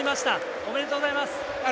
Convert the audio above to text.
ありがとうございます。